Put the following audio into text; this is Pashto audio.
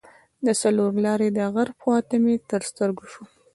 د څلور لارې د غرب خواته مې تر سترګو شو.